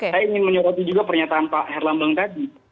saya ingin menyoroti juga pernyataan pak herlambang tadi